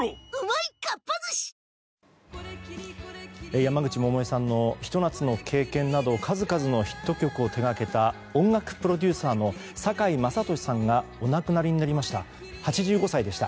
山口百恵さんの「ひと夏の経験」など数々のヒット曲を手掛けた音楽プロデューサーの酒井政利さんがお亡くなりになりました。